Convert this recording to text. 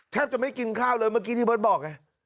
แทบจะไม่กินข้าวเลยเมื่อกี้ที่เบิร์ตบอกไง